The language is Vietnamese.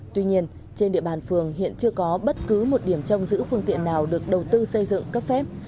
tuy nhiên trên địa bàn phường hiện chưa có bất cứ một điểm trông giữ phương tiện nào được đầu tư xây dựng cấp phép